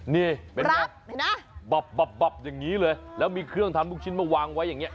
นี่เป็นไงบับอย่างนี้เลยแล้วมีเครื่องทำลูกชิ้นมาวางไว้อย่างนี้